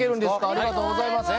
ありがとうございます。